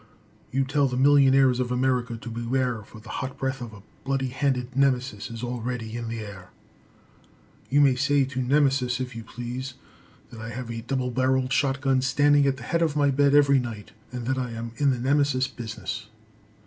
You tell the millionaires of America to beware, for the hot breath of a bloody handed Nemesis is already in the air. [Illustration: PRACTICAL COMMUNISM.] You may say to Nemesis, if you please, that I have a double barreled shotgun standing at the head of my bed every night, and that I am in the Nemesis business.